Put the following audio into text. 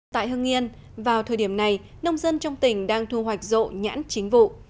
tại hưng yên vào thời điểm này nông dân trong tỉnh đang thu hoạch rộ nhãn chính vụ